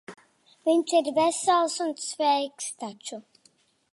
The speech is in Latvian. Viņš ir vesels un sveiks taču.